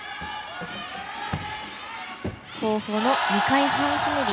後方の２回半ひねり。